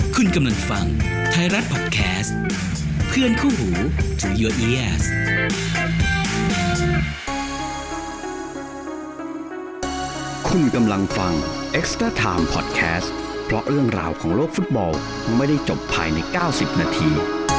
คุณกำลังฟังไทยรัฐพอดแคสต์เพื่อนคู่หูที่คุณกำลังฟังพอดแคสต์เพราะเรื่องราวของโลกฟุตบอลไม่ได้จบภายใน๙๐นาที